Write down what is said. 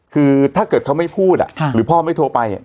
คือถ้าเกิดเขาไม่พูดหรือพ่อไม่โทรไป